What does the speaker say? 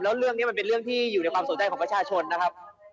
แล้วเรื่องนี้มันเป็นเรื่องที่อยู่ในความสนใจของประชาชนนะครับ